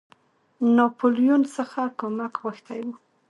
ناپولیون څخه کومک غوښتی وو.